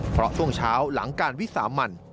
เพราะช่วงเช้าหลังการวิสามัน